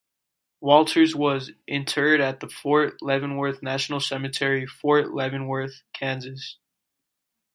Walters was interred at the Fort Leavenworth National Cemetery, Fort Leavenworth, Kansas.